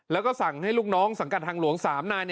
แล้วก็สั่งให้ลูกน้องสังกัดทางหลวง๓นาย